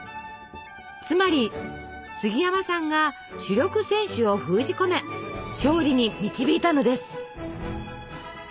つまり杉山さんが主力選手を封じ込め勝利に導いたのです。